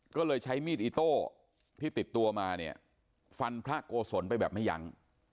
ก็เลยใช้มีดอิโต้ที่ติดตัวมาเนี่ยฟันพระโกศลไปแบบไม่ยั้ง